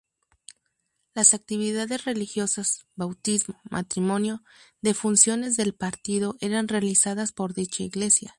Las actividades religiosas, bautismo, matrimonio, de funciones del Partido eran realizadas por dicha iglesia.